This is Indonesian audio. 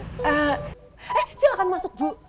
eh silahkan masuk bu